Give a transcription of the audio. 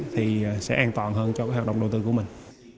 thì sẽ an toàn hơn cho cái hoạt động đầu tư của mình